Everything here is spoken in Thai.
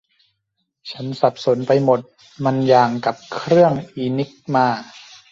ฉันสับสนไปหมด มันอย่างกับเครื่องอินิกมา